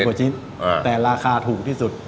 กว่าชิ้นแต่ราคาถูกที่สุด